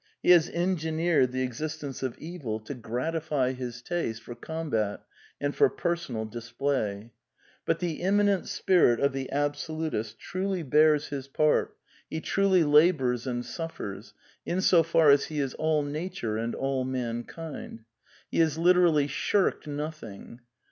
He has engineered the existence of Evil to gratify his taste for combat and for personal display. But the inmianent Spirit of the absolutist truly bears his part, he truly labours and suffers, in so far as he is all Nature and all mankind. He has literally shirked nothing.